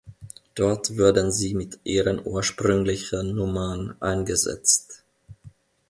Dort wurden sie mit ihren ursprünglichen Nummern eingesetzt.